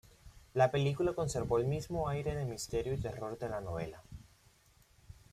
La película conservó el mismo aire de misterio y terror de la novela.